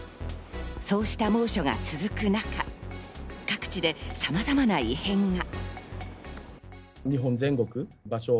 そうした猛暑が続く中、各地でさまざまな異変が。